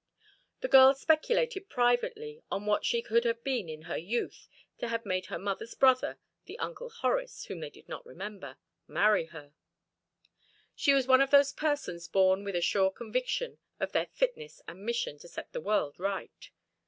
The girls speculated privately on what she could have been in her youth to have made their mother's brother the Uncle Horace whom they did not remember marry her. She was one of those persons born with a sure conviction of their fitness and mission to set the world right.